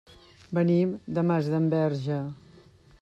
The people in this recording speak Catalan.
Venim de Masdenverge.